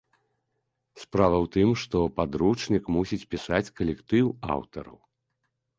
Справа у тым, што падручнік мусіць пісаць калектыў аўтараў.